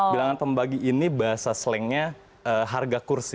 bilangan pembagi ini bahasa slangnya harga kursi